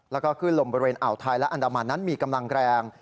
แล้วก็ขึ้นลมบริเวณอ่าวไทยและอันดามันนั้นมีกำลังแรง